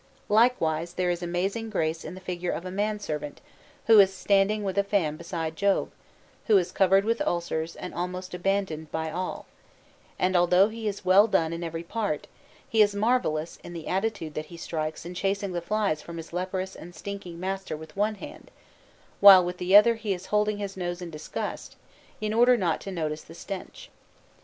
Likewise there is amazing grace in the figure of a man servant who is standing with a fan beside Job, who is covered with ulcers and almost abandoned by all; and although he is well done in every part, he is marvellous in the attitude that he strikes in chasing the flies from his leprous and stinking master with one hand, while with the other he is holding his nose in disgust, in order not to notice the stench.